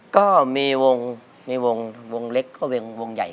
ก็มีวงมีวงเล็กก็วงใหญ่